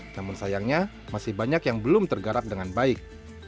namun sayangnya masih banyak yang belum tergarap dengan baik